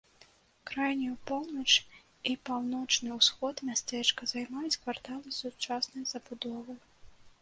Крайнюю поўнач і паўночны ўсход мястэчка займаюць кварталы сучаснай забудовы.